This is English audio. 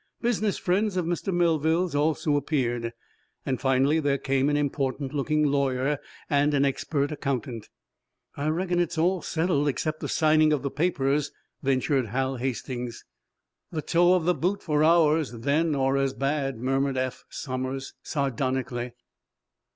Business friends of Mr. Melville's also appeared. Finally there came an important looking lawyer and an expert accountant. "I reckon it's all settled except the signing of the papers," ventured Hal Hastings. "The toe of the boot for ours, then, or as bad," murmured Eph Somers sardonically.